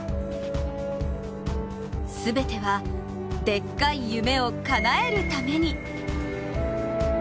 全ては、でっかい夢をかなえるために。